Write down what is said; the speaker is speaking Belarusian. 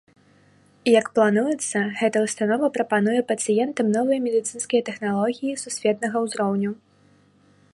Як плануецца, гэта ўстанова прапануе пацыентам новыя медыцынскія тэхналогіі сусветнага ўзроўню.